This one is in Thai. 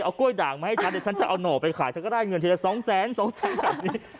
เอากล้วยด่างมาให้ฉันเดี๋ยวฉันจะเอาหน่อไปขายฉันก็ได้เงินทีละสองแสนสองแสนแบบนี้